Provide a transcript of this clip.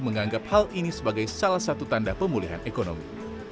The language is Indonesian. menganggap hal ini sebagai salah satu tanda pemulihan ekonomi